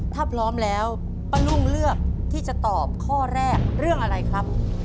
ถ้าพร้อมแล้วป้านุ่งเลือกที่จะตอบข้อแรกเรื่องอะไรครับ